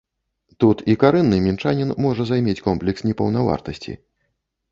Тут і карэнны мінчанін можа займець комплекс непаўнавартасці.